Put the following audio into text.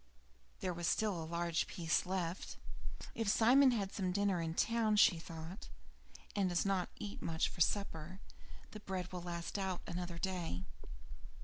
There was still a large piece left. "If Simon has had some dinner in town," thought she, "and does not eat much for supper, the bread will last out another day."